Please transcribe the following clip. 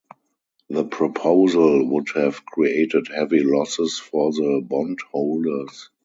The proposal would have created heavy losses for the bondholders.